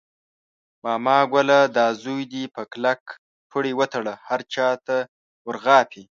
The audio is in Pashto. ماما ګله دا زوی دې په کلک پړي وتړله، هر چاته ور غاپي.